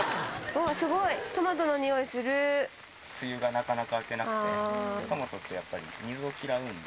わぁ、すごい、トマトの匂い梅雨がなかなか明けなくて、トマトってやっぱり、水を嫌うんで。